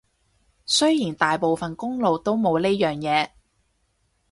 雖然大部分公路都冇呢樣嘢